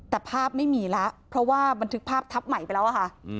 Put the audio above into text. แต่ภาพไม่มีแล้วเพราะว่าบันทึกภาพทับใหม่ไปแล้วค่ะ